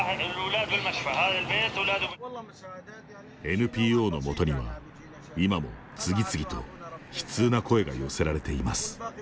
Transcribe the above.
ＮＰＯのもとには、今も次々と悲痛な声が寄せられています。